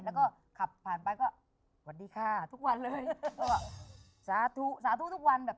แล้วก็ขับผ่านไปก็วัตดีค่ะทุกวันเลย